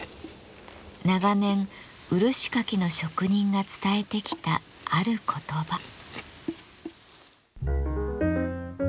長年漆かきの職人が伝えてきたある言葉。